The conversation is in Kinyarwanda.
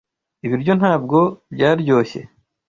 Ibiryo ntabwo byaryoshye.